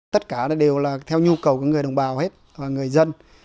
tất cả đều là theo nhu cầu của người đồng bào và người dân